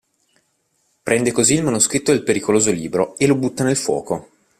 Prende così il manoscritto del pericoloso libro e lo butta nel fuoco.